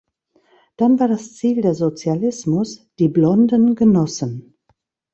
Dann war das Ziel der Sozialismus, die blonden Genossen.